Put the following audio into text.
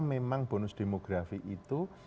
memang bonus demografi itu